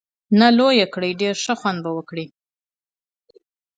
نه، لویه یې کړه، ډېر ښه خوند به وکړي.